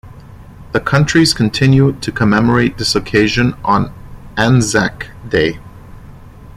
The countries continue to commemorate this occasion on Anzac Day.